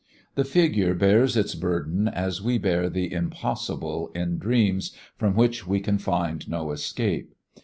The figure bears its burden as we bear the impossible in dreams from which we can find no escape.